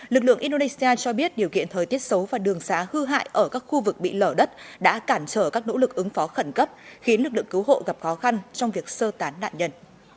lực lượng indonesia cho biết điều kiện thời tiết xấu và đường xá hư hại ở các khu vực bị lở đất đã cản trở các nỗ lực ứng phó khẩn cấp khiến lực lượng cứu hộ gặp khó khăn trong việc sơ tán nạn nhân